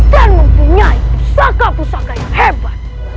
dan mempunyai pusaka pusaka yang hebat